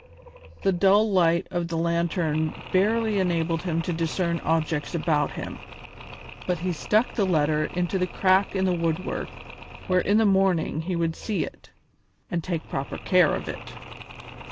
The dull light of the lantern barely enabled him to discern objects about him, but he stuck the letter into a crack in the woodwork where in the morning he would see it and take proper care of it.